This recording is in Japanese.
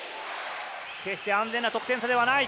決して安全な得点差ではない。